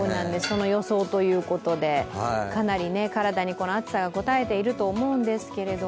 その予想ということで、かなり暑さが体にこたえていると思うんですけど。